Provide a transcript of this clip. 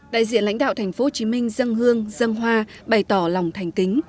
đại diện lãnh đạo thành phố hồ chí minh dân hương dân hoa bày tỏ lòng thành kính